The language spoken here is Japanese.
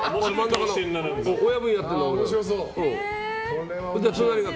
親分やってんだ、俺が。